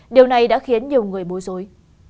điều này đã khiến nhiều người bối rối